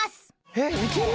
「えっ？いける？」